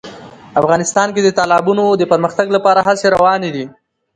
افغانستان کې د تالابونو د پرمختګ لپاره هڅې روانې دي.